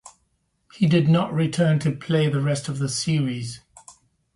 He did not return to play the rest of the series.